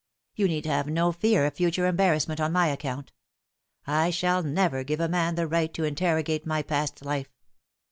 You need have no fear of future embarrass ment on my account. I shall never give a man the right to interrogate my past life.